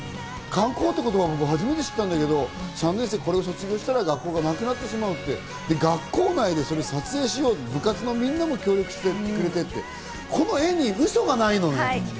完校って言葉、僕、初めて知ったんだけど、３年生が卒業したら学校がなくなってしまうって学校内でそれを撮影しようって、部活のみんなも協力してくれて、この画にウソがないのね。